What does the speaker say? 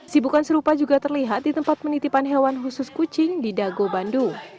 sibukan serupa juga terlihat di tempat penitipan hewan khusus kucing di dago bandung